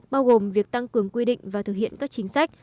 bao gồm việc tăng cường quy định và thực hiện các chính sách